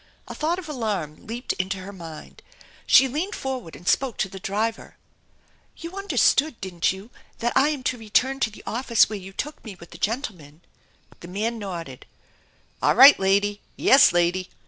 A thought of alarm leaped into her mind. She baned forward and spoke to the driver: " You understood, didn't you, that I am to return to the office where you took me with the gentleman ?" The man nodded. "All right, lady. Yes, lady